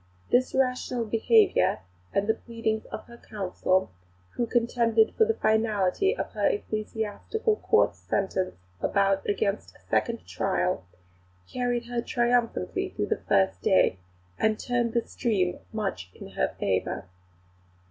This rational behaviour and the pleadings of her Counsel, who contended for the finality of her Ecclesiastical Court's sentence against a second trial, carried her triumphantly through the first day, and turned the stream much in her favour."